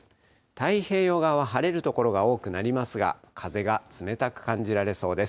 太平洋側は晴れる所が多くなりますが、風が冷たく感じられそうです。